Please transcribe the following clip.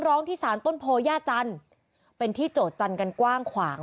ร้องที่สารต้นโพย่าจันทร์เป็นที่โจทย์กันกว้างขวาง